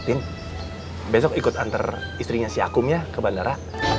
tin besok ikut antar istrinya si akum ya ke bandara